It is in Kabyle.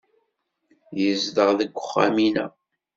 Yezdeɣ deg wexxam-inna.